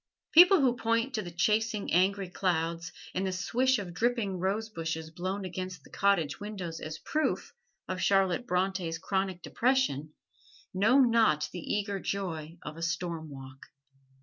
People who point to the chasing, angry clouds and the swish of dripping rosebushes blown against the cottage windows as proof of Charlotte Bronte's chronic depression know not the eager joy of a storm walk.